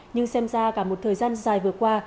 nhưng xem ra cả một thời gian dài vừa qua